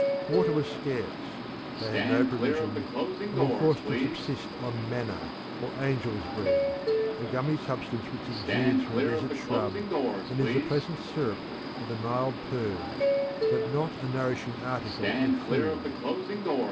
Water was scarce; they had no provisions, and were forced to subsist on manna or angel's bread, a gummy substance which exudes from a desert shrub and is a pleasant syrup and a mild purge, but not a nourishing article of food.